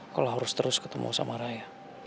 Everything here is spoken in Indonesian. kalau harus terus ketemu sama raya